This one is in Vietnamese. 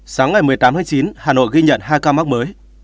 sáng ngày một mươi tám tháng chín hà nội ghi nhận hai ca mắc mới